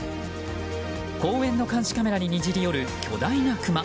公園の監視カメラににじり寄る巨大なクマ。